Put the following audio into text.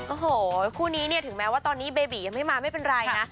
โอ้โหคู่นี้เนี่ยถึงแม้ว่าตอนนี้เบบียังไม่มาไม่เป็นไรนะ